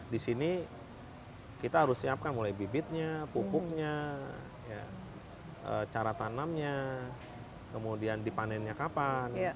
di sini kita harus siapkan mulai bibitnya pupuknya cara tanamnya kemudian dipanennya kapan